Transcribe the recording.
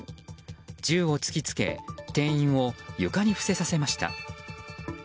銃を突きつけ店員を床に伏せさせました。